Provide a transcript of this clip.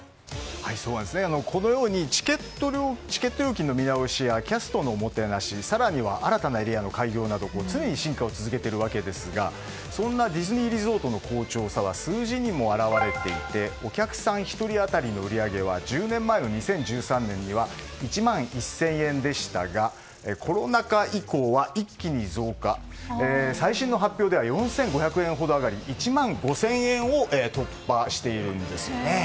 このようにチケット料金の見直しやキャストのおもてなし更には新たなエリアの開業など常に進化を続けているわけですがそんなディズニーリゾートの好調さは数字にも表れていてお客さん１人当たりの売り上げは１０年前の２０１３年には１万１０００円でしたがコロナ禍以降は一気に増加して、最新の発表では４５００円ほど上がり１万５０００円を突破しているんです。